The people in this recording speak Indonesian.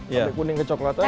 sampai kuning dan kecoklatan ya